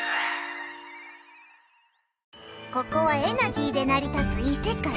ここはエナジーでなり立ついせかい。